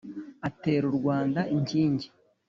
atera u rwanda inkingi